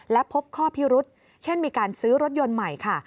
และพบข้อพิรุษเช่นมีการซื้อรถยนต์ใหม่ค่ะ